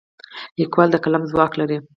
لیکوال د قلم ځواک لري.